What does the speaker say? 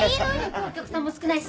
今日はお客さんも少ないし。